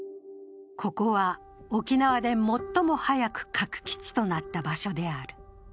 ここは沖縄で最も早く核基地となった場所である。